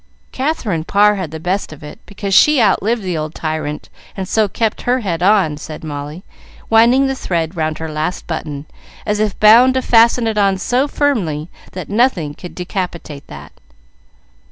"Katherine Parr had the best of it, because she outlived the old tyrant and so kept her head on," said Molly, winding the thread round her last button, as if bound to fasten it on so firmly that nothing should decapitate that.